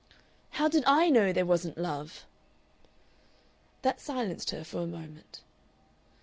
"How did I know there wasn't love?" That silenced her for a moment.